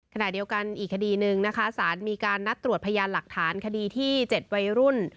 ขณะเดียวกันอีกคดีหนึ่งนะคะสารมีการนัดตรวจพยานหลักฐานคดีที่๗วัยรุ่น